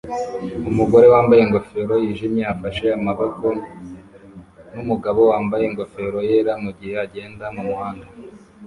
Umugore wambaye ingofero yijimye afashe amaboko numugabo wambaye ingofero yera mugihe agenda mumuhanda